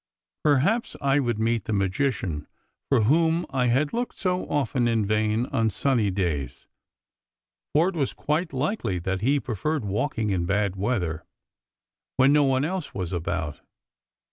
Perhaps I would meet the magician for whom I had looked so often in vain on sunny days, for it was quite likely that he preferred walking in bad weather when no one else was about.